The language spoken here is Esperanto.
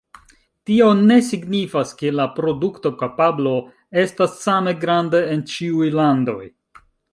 Tio ne signifas, ke la produktokapablo estas same granda en ĉiuj landoj.